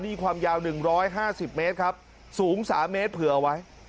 นี่ความยาว๑๕๐เมตรครับสูง๓เมตรเผื่อเอาไว้